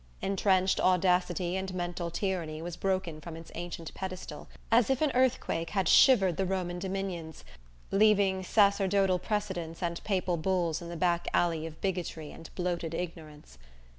Entrenched audacity and mental tyranny was broken from its ancient pedestal, as if an earthquake had shivered the Roman dominions, leaving sacerdotal precedents and papal bulls in the back alley of bigotry and bloated ignorance.